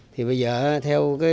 thì bây giờ theo